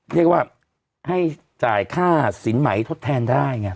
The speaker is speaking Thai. เรียกว่าให้จ่ายค่าสินไหมทดแทนได้ไง